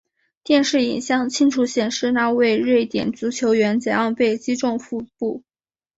电视影像清楚显示那位瑞典足球员怎样被击中腹部。